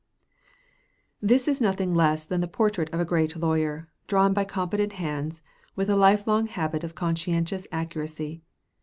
] This is nothing less than the portrait of a great lawyer, drawn by competent hands, with the lifelong habit of conscientious accuracy.